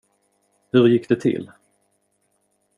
Hur gick det till?